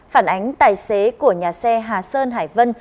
phản ánh tài xế của nhà xe hà sơn hải vân